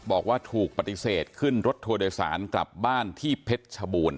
บอกว่าถูกปฏิเสธขึ้นรถทัวร์โดยสารกลับบ้านที่เพชรชบูรณ